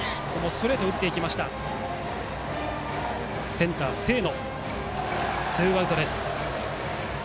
センター、清野がとってツーアウトです。